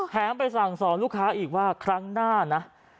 ไปสั่งสอนลูกค้าอีกว่าครั้งหน้านะ